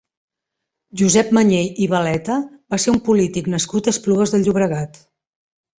Josep Mañé i Baleta va ser un polític nascut a Esplugues de Llobregat.